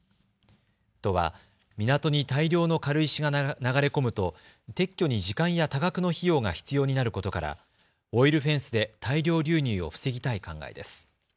都は港に大量の軽石が流れ込むと撤去に時間や多額の費用が必要になることからオイルフェンスで大量流入を防ぎたい考えです。